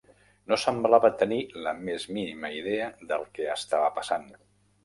No semblava tenir la més mínima idea del que estava passant.